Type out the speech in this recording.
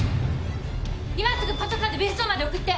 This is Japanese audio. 今すぐパトカーで別荘まで送って！